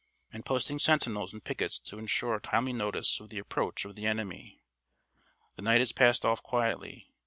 and posting sentinels and pickets to insure timely notice of the approach of the enemy. The night has passed off quietly.